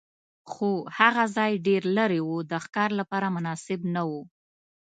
خو هغه ځای ډېر لرې و، د ښکار لپاره مناسب نه و.